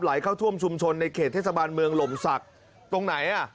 เข้าท่วมชุมชนในเขตเทศบาลเมืองหล่มศักดิ์ตรงไหนอ่ะ